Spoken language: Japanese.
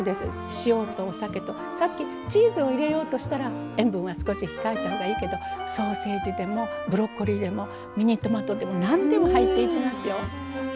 塩とお酒とさっきチーズを入れようとしたら塩分は少し控えたほうがいいけどソーセージでもブロッコリーでもミニトマトでもなんでも入っていきますよ。